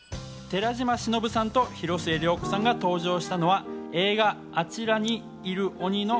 寺島しのぶさんと広末涼子さんが登場したのは、映画『あちらにいる鬼』の